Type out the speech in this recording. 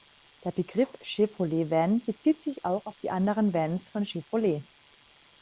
Der Begriff Chevrolet Van bezieht sich auch auf die anderen Vans von Chevrolet.